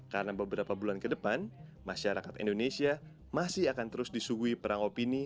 karena beberapa bulan ke depan masyarakat indonesia masih akan terus disuguhi perang opini